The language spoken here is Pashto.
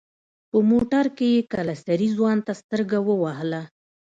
په موټر کې يې کلسري ځوان ته سترګه ووهله.